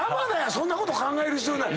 そんなこと考える必要ない。